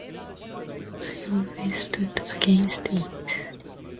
I always stood against it.